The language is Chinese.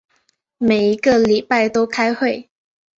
每一个礼拜都开会。